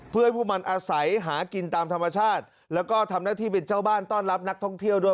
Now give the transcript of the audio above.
เพื่อให้พวกมันอาศัยหากินตามธรรมชาติแล้วก็ทำหน้าที่เป็นเจ้าบ้านต้อนรับนักท่องเที่ยวด้วย